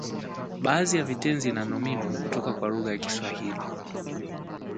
baadhi ya vitenzi na nomino kutoka kwa lugha ya Kiswahili